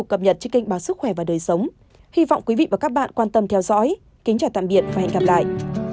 cảm ơn các bạn đã theo dõi kính chào tạm biệt và hẹn gặp lại